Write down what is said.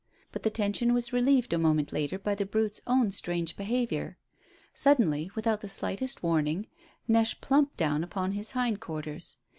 But the tension was relieved a moment later by the brute's own strange behaviour. Suddenly, without the slightest warning, Neche plumped down upon his hind quarters.